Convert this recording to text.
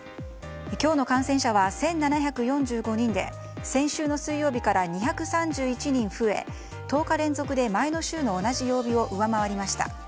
今日の感染者は１７４５人で先週の水曜日から２３１人増え１０日連続で前の週の同じ曜日を上回りました。